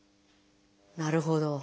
なるほど。